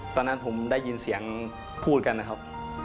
ตอนนั้นผมได้ยินเสียงพูดกันนะครับ